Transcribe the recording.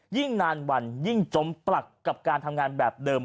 ยิ่งนานวันยิ่งจมปลักกับการทำงานแบบเดิม